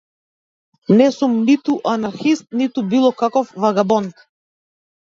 Не сум ниту анархист ниту било каков вагабонт.